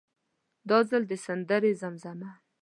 دا ځل د سندرې زمزمه.